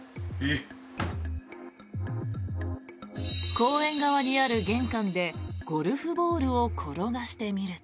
公園側にある玄関でゴルフボールを転がしてみると。